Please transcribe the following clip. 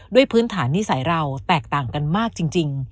พื้นฐานนิสัยเราแตกต่างกันมากจริง